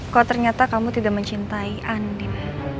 kok ternyata kamu tidak mencintai andin